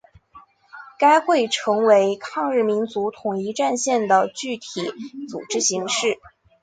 该会成为抗日民族统一战线的具体组织形式。